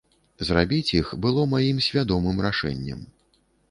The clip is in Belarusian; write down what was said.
Зрабіць іх было маім свядомым рашэннем.